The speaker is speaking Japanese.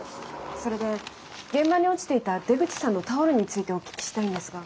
それで現場に落ちていた出口さんのタオルについてお聞きしたいんですが。